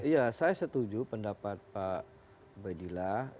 ya saya setuju pendapat pak badillah